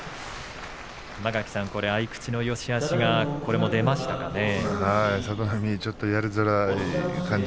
間垣さん、合い口のよしあしがこれも出ましたかね。